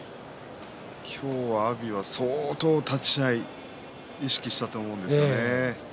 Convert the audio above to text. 今日は阿炎は相当、立ち合い意識したと思うんですよね。